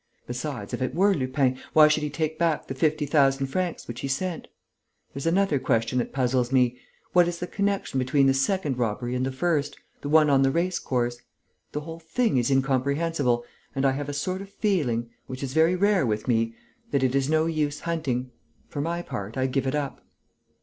Besides, if it were Lupin, why should he take back the fifty thousand francs which he sent? There's another question that puzzles me: what is the connection between the second robbery and the first, the one on the race course? The whole thing is incomprehensible and I have a sort of feeling which is very rare with me that it is no use hunting. For my part, I give it up."